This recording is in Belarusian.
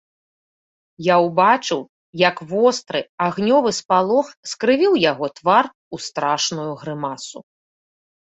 Я ўбачыў, як востры, агнёвы спалох скрывіў яго твар у страшную грымасу.